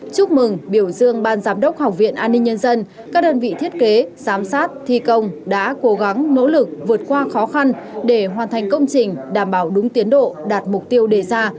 chúc mừng biểu dương ban giám đốc học viện an ninh nhân dân các đơn vị thiết kế giám sát thi công đã cố gắng nỗ lực vượt qua khó khăn để hoàn thành công trình đảm bảo đúng tiến độ đạt mục tiêu đề ra